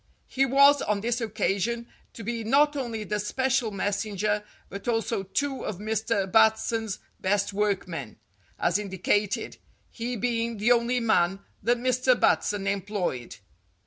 He was, on this occasion, to be not only the special messenger, but also two of Mr. Bat son's best workmen, as indicated, he being the only man that Mr. Batson employed.